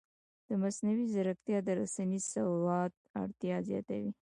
مصنوعي ځیرکتیا د رسنیز سواد اړتیا زیاتوي.